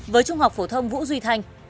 trường trung học phổ thông vũ duy thanh